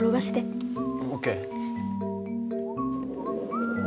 ＯＫ。